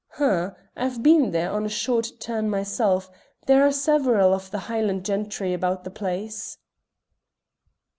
"H'm, I've been there on a short turn myself; there are several of the Highland gentry about the place."